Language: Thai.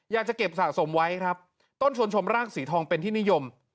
อยากจะเก็บสะสมไว้ครับต้นชวนชมรากสีทองเป็นที่นิยม